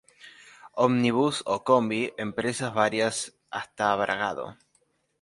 Ómnibus o combi: empresas varias hasta Bragado.